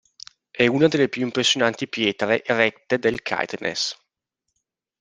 È una delle più impressionanti pietre erette del Caithness.